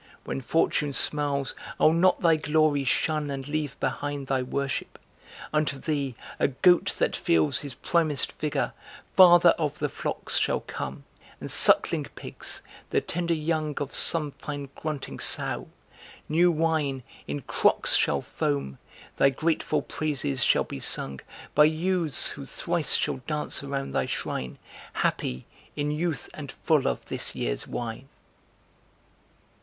When fortune smiles I'll not thy glory shun and leave behind Thy worship! Unto thee, a goat that feels His primest vigor, father of the flocks Shall come! And suckling pigs, the tender young Of some fine grunting sow! New wine, in crocks Shall foam! Thy grateful praises shall be sung By youths who thrice shall dance around thy shrine Happy, in youth and full of this year's wine!"